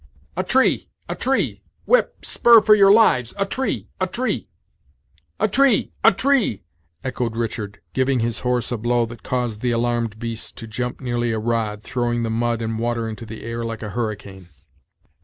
"A tree! a tree! Whip spur for your lives! a tree! a tree." "A tree! a tree!" echoed Richard, giving his horse a blow that caused the alarmed beast to jump nearly a rod, throwing the mud and water into the air like a hurricane.